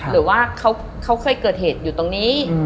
หรือว่าเขาเคยเกิดเหตุอยู่ตรงนี้